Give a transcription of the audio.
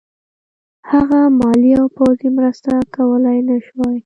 هغه مالي او پوځي مرسته کولای نه شوای.